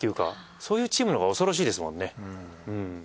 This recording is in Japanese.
そういうチームのほうが恐ろしいですもんね。